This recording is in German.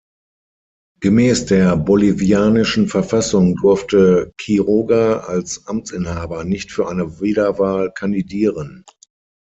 Gemäß der bolivianischen Verfassung durfte Quiroga als Amtsinhaber nicht für eine Wiederwahl kandidieren.